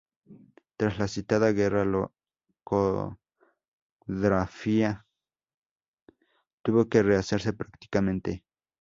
Tras la citada guerra la cofradía tuvo que rehacerse prácticamente.